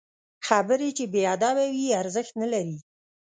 خبرې چې بې ادبه وي، ارزښت نلري